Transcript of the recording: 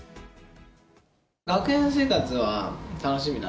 学園生活は楽しみな。